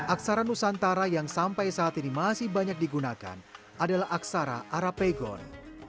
aksara nusantara yang sampai saat ini masih banyak digunakan adalah aksara arapegon